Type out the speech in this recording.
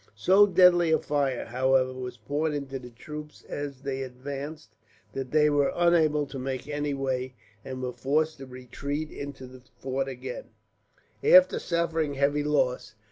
So deadly a fire, however, was poured into the troops as they advanced, that they were unable to make any way, and were forced to retreat into the fort again, after suffering heavy loss.